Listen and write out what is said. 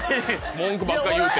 文句ばっか言うて。